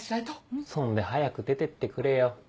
そんで早く出てってくれよ。